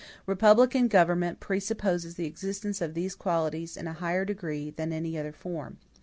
Republican government presupposes the existence of these qualities in a higher degree than any other form.